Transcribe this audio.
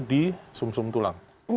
di sum sum tulang